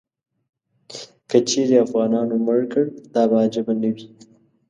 که چیرې افغانانو مړ کړ، دا به عجیبه نه وي.